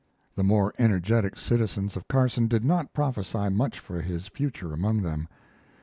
The more energetic citizens of Carson did not prophesy much for his future among them.